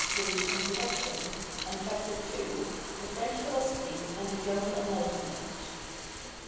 3, Introduction, and c. 2, "The French Philosophy and the German En lightenment."